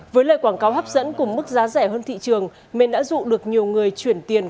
với lời quảng cáo hấp dẫn cùng mức giá rẻ hơn thị trường nên đã dụ được nhiều người chuyển tiền